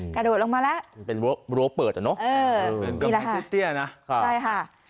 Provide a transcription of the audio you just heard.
กระโดดลงมาแล้วเป็นเปิดอ่ะเนอะเออนี่แหละฮะใช่ฮะ